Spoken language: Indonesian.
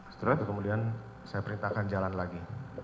setelah itu kemudian saya perintahkan jalan lagi